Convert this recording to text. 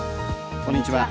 こんにちは。